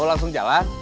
mau langsung jalan